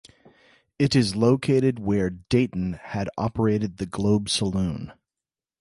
It is located near where Deighton had operated the Globe Saloon.